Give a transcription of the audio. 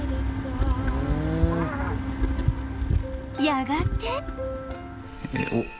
やがて